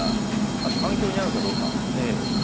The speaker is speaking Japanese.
あと環境に合うかどうか。